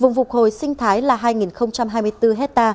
vùng vục hồi sinh thái là hai hai mươi bốn hectare